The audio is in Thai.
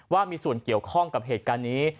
ว่ามีส่วนเกี่ยวข้องกับเหตุการณ์นี้